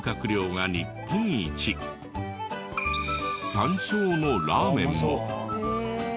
山椒のラーメンも。